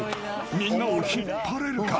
［みんなを引っ張れるか？］